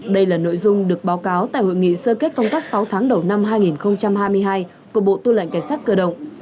đây là nội dung được báo cáo tại hội nghị sơ kết công tác sáu tháng đầu năm hai nghìn hai mươi hai của bộ tư lệnh cảnh sát cơ động